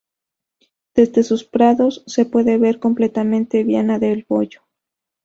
Desde sus prados se puede ver completamente Viana del Bollo.